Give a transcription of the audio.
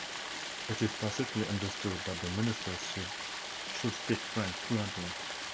It is tacitly understood that the minister should speak French fluently.